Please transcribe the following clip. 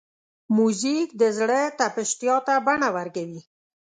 موزیک د زړه تپښتا ته بڼه ورکوي.